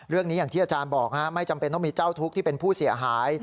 อย่างที่อาจารย์บอกไม่จำเป็นต้องมีเจ้าทุกข์ที่เป็นผู้เสียหาย